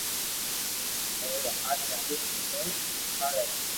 اورو ھاٿ جھالِین اوني اُوٺاڙي